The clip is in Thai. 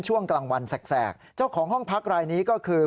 ช่วงกลางวันแสกเจ้าของห้องพักรายนี้ก็คือ